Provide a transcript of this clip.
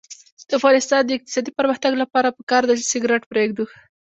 د افغانستان د اقتصادي پرمختګ لپاره پکار ده چې سګرټ پریږدو.